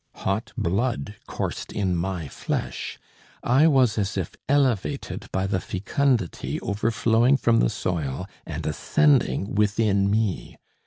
Hot blood coursed in my flesh, I was as if elevated by the fecundity overflowing from the soil and ascending within me.